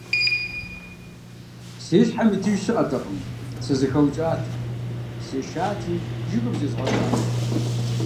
Си щхьэм итыж щыӀэтэкъым, сызэхэукӀат, сешати, жыгым зезгъэщӀащ.